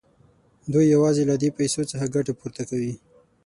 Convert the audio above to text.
دوی یوازې له دې پیسو څخه ګټه پورته کوي